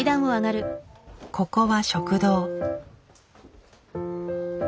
ここは食堂。